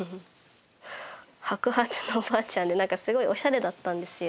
白髪のおばあちゃんで何かすごいオシャレだったんですよ。